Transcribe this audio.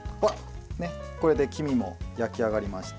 これで黄身も焼き上がりました。